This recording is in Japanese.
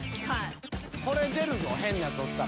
これ出るぞ変なやつおったら。